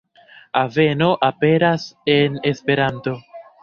Aveno aperas en Esperanto.